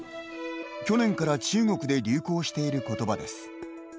去年から中国で流行している言葉です。